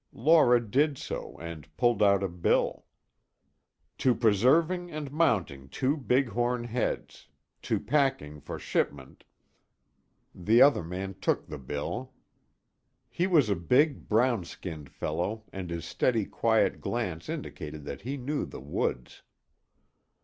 Laura did so and pulled out a bill. "To preserving and mounting two big horn heads To packing for shipment " The other man took the bill. He was a big brown skinned fellow and his steady quiet glance indicated that he knew the woods.